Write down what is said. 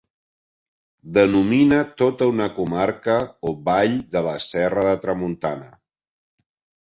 Denomina tota una comarca o vall de la Serra de Tramuntana.